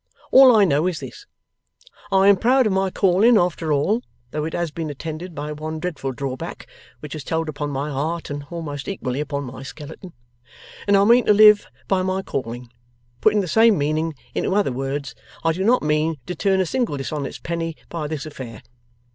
All I know is this: I am proud of my calling after all (though it has been attended by one dreadful drawback which has told upon my heart, and almost equally upon my skeleton), and I mean to live by my calling. Putting the same meaning into other words, I do not mean to turn a single dishonest penny by this affair.